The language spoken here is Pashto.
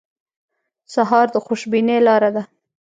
سهار د خوشبینۍ لاره ده.